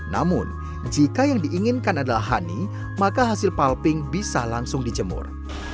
namun jika yang diinginkan adalah honey maka hasil palping bisa langsung dijemur